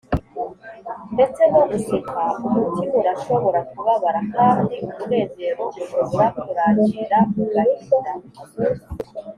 ndetse no guseka umutima urashobora kubabara, kandi umunezero ushobora kurangirira mu gahinda